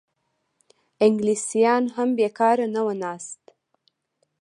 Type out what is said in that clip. انګلیسیان هم بېکاره نه وو ناست.